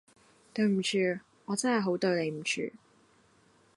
對唔住，我真係好對你唔住